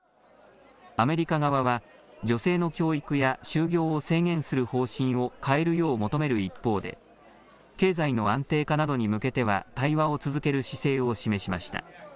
アメリカ側は女性の教育や就業を制限する方針を変えるよう求める一方で経済の安定化などに向けては対話を続ける姿勢を示しました。